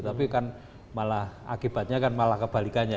tapi kan malah akibatnya kan malah kebalikannya